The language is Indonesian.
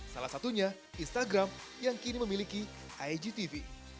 salah satunya instagram yang kini memiliki igtv